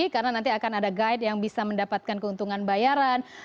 karena nanti akan ada guide yang bisa mendapatkan keuntungan bayaran